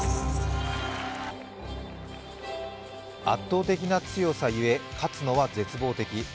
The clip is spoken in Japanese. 圧倒的な強さ故勝野は絶望的。